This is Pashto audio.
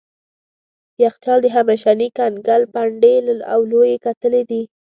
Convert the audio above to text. یخچال د همیشني کنګل پنډې او لويې کتلې دي.